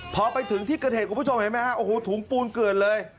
พอไปถึงที่เกิดเหตุคุณผู้ชมเห็นไหมฮะโอ้โหถุงปูนเกลือนเลย